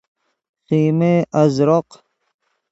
خیمه ازرق